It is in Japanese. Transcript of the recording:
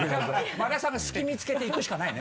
馬田さんも隙見つけていくしかないね。